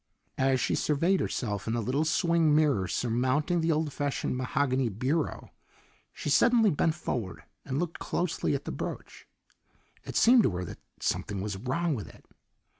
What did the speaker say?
As she surveyed herself in the little swing mirror surmounting the old fashioned mahogany bureau she suddenly bent forward and looked closely at the brooch. It seemed to her that something was wrong with it.